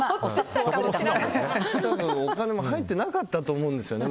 お金が入ってなかったと思うんですよね。